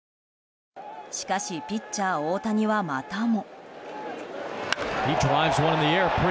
しかし、ピッチャー大谷はまたも。